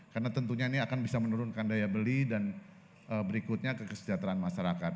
karena tentunya ini akan bisa menurunkan daya beli dan berikutnya ke kesejahteraan masyarakat